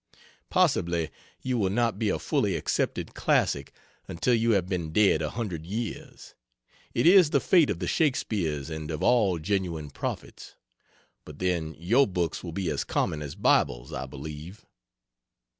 Possibly you will not be a fully accepted classic until you have been dead a hundred years, it is the fate of the Shakespeares and of all genuine prophets, but then your books will be as common as Bibles, I believe.